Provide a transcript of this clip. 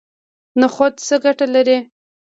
نخود څه ګټه لري؟